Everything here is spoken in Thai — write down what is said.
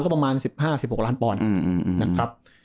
ก็ประมาณ๑๕๑๖ล้านปอนด์